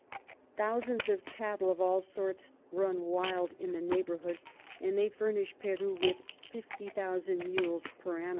Thousands of Cattel of all sorts run wild in the Neighbourhood, and they furnish Peru with 50000 Mules _per ann.